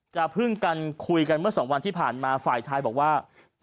พึ่งกันคุยกันเมื่อสองวันที่ผ่านมาฝ่ายชายบอกว่า